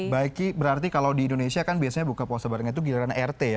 baiki berarti kalau di indonesia kan biasanya buka puasa barengan itu giliran rt ya